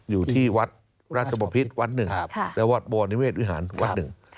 อยู่ที่วัดรัชโรงพิษวัตน์๑และวัดโปโปหนิเวศวิหารวัดหนึ่ง